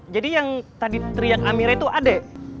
jadi yang tadi teriak amira itu ade